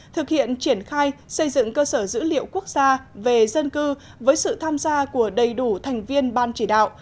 thực hiện triển khai xây dựng cơ sở dữ liệu quốc gia về dân cư với sự tham gia của đầy đủ thành viên ban chỉ đạo